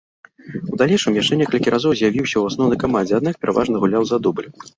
У далейшым яшчэ некалькі разоў з'явіўся ў асноўнай камандзе, аднак пераважна гуляў за дубль.